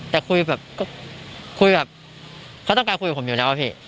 แต่คุยแบบก็คุยแบบเขาต้องการคุยกับผมอยู่แล้วอะพี่